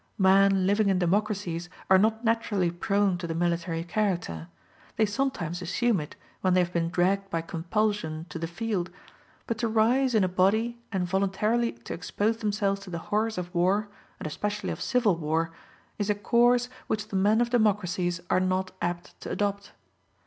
Men living in democracies are not naturally prone to the military character; they sometimes assume it, when they have been dragged by compulsion to the field; but to rise in a body and voluntarily to expose themselves to the horrors of war, and especially of civil war, is a course which the men of democracies are not apt to adopt.